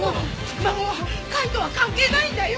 孫は海斗は関係ないんだよ！